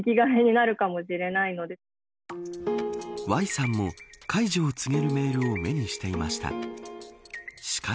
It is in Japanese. Ｙさんも解除を告げるメールを目にしていました。